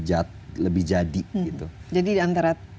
jadi antara tiga ini yang paling terakhir